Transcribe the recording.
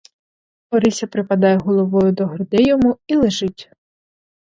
Орися припадає головою до грудей йому і лежить.